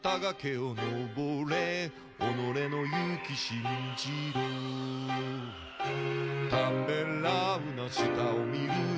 「おのれの勇気信じろ」「ためらうな下を見るな」